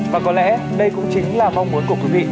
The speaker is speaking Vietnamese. và có lẽ đây cũng chính là mong muốn của quý vị